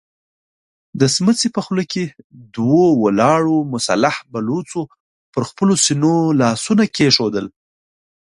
د سمڅې په خوله کې دوو ولاړو مسلح بلوڅو پر خپلو سينو لاسونه کېښودل.